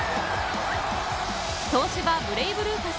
東芝ブレイブルーパス